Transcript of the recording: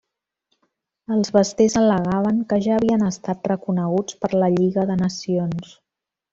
Els basters al·legaven que ja havien estat reconeguts per la Lliga de Nacions.